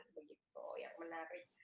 begitu yang menarik